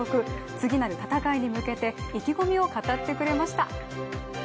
次なる戦いに向けて、意気込みを語ってくれました。